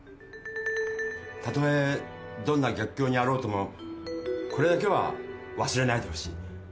たとえどんな逆境にあろうともこれだけは忘れないでほしい。